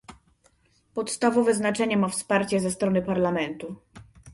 Podstawowe znaczenie ma wsparcie ze strony Parlamentu